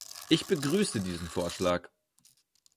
Ich begrüße diesen Vorschlag.